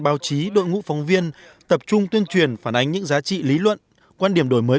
báo chí đội ngũ phóng viên tập trung tuyên truyền phản ánh những giá trị lý luận quan điểm đổi mới